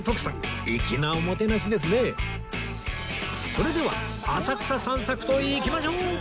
それでは浅草散策といきましょう！